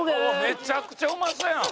「めちゃくちゃうまそうやん！」